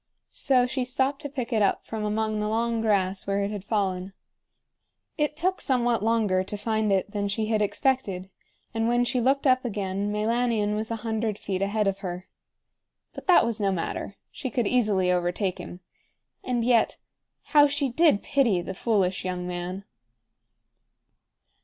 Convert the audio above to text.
So she stopped to pick it up from among the long grass, where it had fallen. It took somewhat longer to find it than she had expected, and when she looked up again Meilanion was a hundred feet ahead of her. But that was no matter. She could easily overtake him. And yet, how she did pity the foolish young man!